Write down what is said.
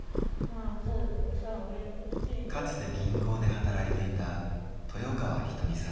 かつて銀行で働いていた豊川ひと美さん。